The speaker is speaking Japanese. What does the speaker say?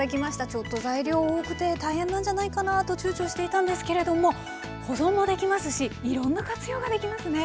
ちょっと材料多くて大変なんじゃないかなと躊躇していたんですけれども保存もできますしいろんな活用ができますね。